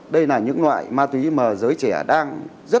đây là những loại ma túy mà giới trẻ đang rất